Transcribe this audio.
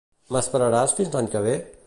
M'esperaràs fins l'any que ve?